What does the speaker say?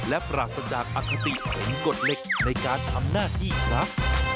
และปราศจากอคติของกฎเหล็กในการทำหน้าที่ครับ